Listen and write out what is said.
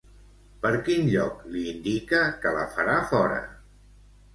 Per quin lloc li indica que la farà fora?